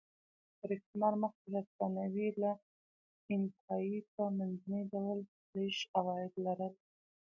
تر استعمار مخکې هسپانوي له اینکایي په منځني ډول لږ عواید لرل.